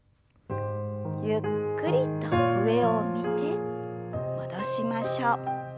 ゆっくりと上を見て戻しましょう。